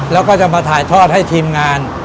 แล้วก็จะมาถ่ายทอดให้ทีมงาน